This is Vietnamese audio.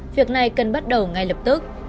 việc này cần bắt đầu ngay lập tức